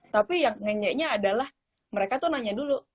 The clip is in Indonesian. tapi yang ngeyeknya adalah mereka tuh nanya dulu